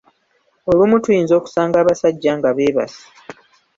Olumu tuyinza okusanga abasajja nga beebase.